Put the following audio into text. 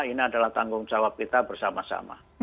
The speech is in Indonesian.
ini adalah tanggung jawab kita bersama sama